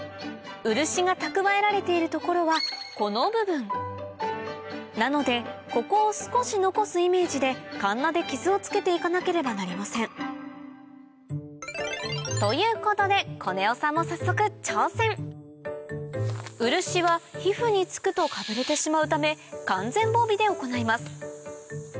漆が蓄えられている所はこの部分なのでここを少し残すイメージでかんなで傷をつけて行かなければなりませんということでコネオさんも早速挑戦漆は皮膚に付くとかぶれてしまうため完全防備で行います